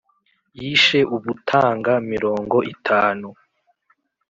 Yishe ubutanga mirongo itanu